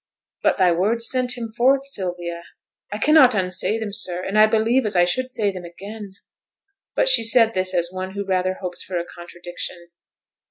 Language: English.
'But thy words sent him forth, Sylvia.' 'I cannot unsay them, sir; and I believe as I should say them again.' But she said this as one who rather hopes for a contradiction.